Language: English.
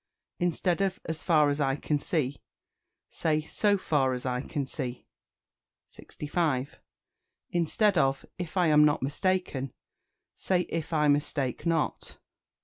Instead of "As far as I can see," say "So far as I can see." 65. Instead of "If I am not mistaken," say "If I mistake not."